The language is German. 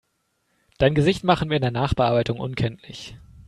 Dein Gesicht machen wir in der Nachbearbeitung unkenntlich.